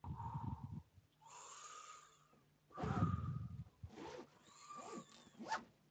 Juntos van a ver a un imitador de Becky, el transformista Femme Letal.